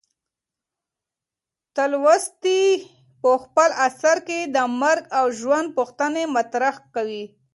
تولستوی په خپل اثر کې د مرګ او ژوند پوښتنې مطرح کوي.